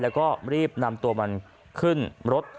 แล้วก็รีบนำตัวมันขึ้นรถ